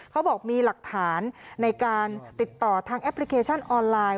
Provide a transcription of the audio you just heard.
เขาบอกมีหลักฐานในการติดต่อทางแอปพลิเคชันออนไลน์